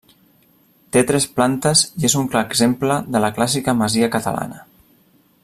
Té tres plantes i és un clar exemple de la clàssica masia catalana.